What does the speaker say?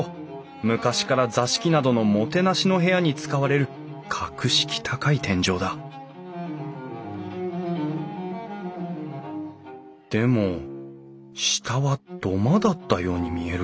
昔から座敷などのもてなしの部屋に使われる格式高い天井だでも下は土間だったように見えるけど。